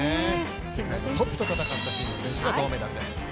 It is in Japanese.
トップと戦った真野選手が銅メダルです。